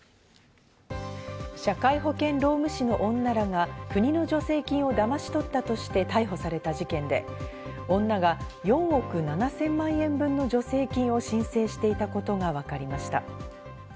社会保険労務士の女らが国の助成金をだまし取ったとして逮捕された事件で、女が４億７０００万円分の助成金を申請していたことがわかりました。